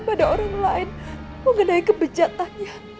mereka kalau kesehatan